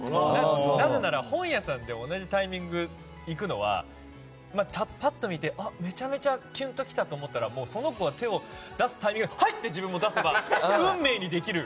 なぜなら、本屋さんで同じタイミングで行くのはパッと見て、めちゃめちゃきゅんと来たと思ったらその子が手を出すタイミングでハイッ！って自分も出せば運命にできる。